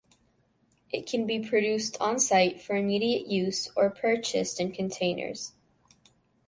It can be produced on site for immediate use or purchased in containers.